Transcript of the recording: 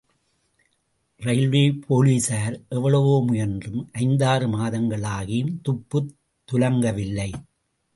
Railway போலீசார் எவ்வளவோ முயன்றும் ஐந்தாறு மாதங்களாகியும் துப்புத் துலங்கவில்லை.